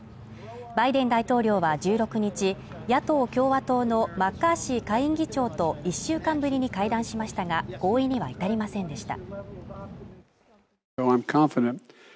バイデン大統領は１６日、野党共和党のマッカーシー下院議長と１週間ぶりに会談しましたが、合意には至りませんでした。